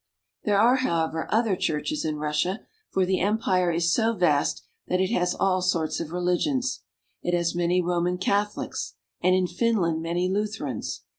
There are, however, other churches in Rus sia, for the empire is so vast that it has all sorts of religions. It has many Roman Catho lics, and in Finland many Lutherans.